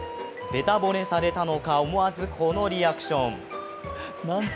べた褒めされたのか、思わずこのリアクション。